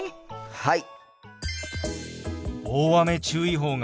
はい！